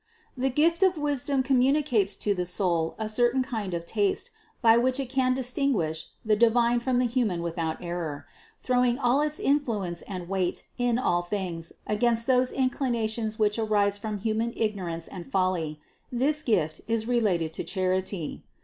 The gift of wisdom communicates to the soul a certain kind of taste by which it can distinguish the divine from the human without error, throwing all its influence and weight in all things against those in clinations which arise from human ignorance and folly; THE CONCEPTION 465 this gift is related to charity.